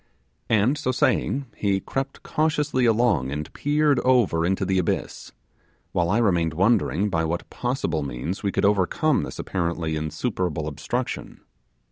And, so saying, he crept cautiously along and peered over into the abyss, while I remained wondering by what possible means we could overcome this apparently insuperable obstruction.